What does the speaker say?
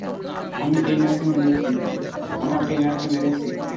আমার ট্রেইনারকে মেরেছে!